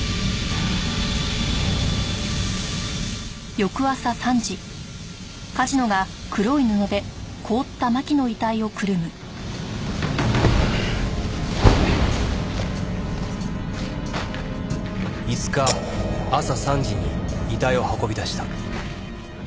５日朝３時に遺体を運び出した。